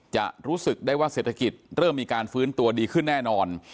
จะรู้สึกได้ว่าเศรษฐกิจเริ่มมีการฟื้นตัวดีขึ้นแน่นอน